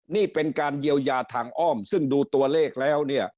นี่เป็นการเยียวยาทางอ้อมซึ่งดูตัวเลขแล้วเนี่ย